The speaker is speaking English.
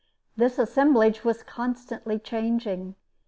This assemblage was constantly changing.